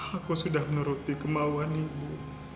aku sudah menuruti kemauan ibu